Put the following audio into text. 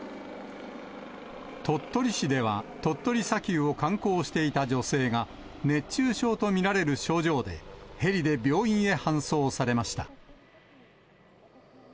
鳥取市では、鳥取砂丘を観光していた女性が、熱中症と見られる症状で、ヘリで病院へ搬送されました。